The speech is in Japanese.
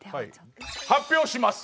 発表します。